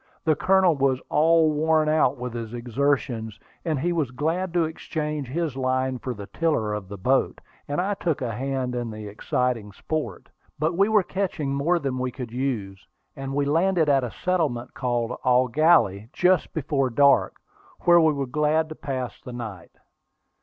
The Colonel was all worn out with his exertions, and he was glad to exchange his line for the tiller of the boat, and I took a hand in the exciting sport. But we were catching more than we could use, and we landed at a settlement called Eau Gallie just before dark, where we were glad to pass the night.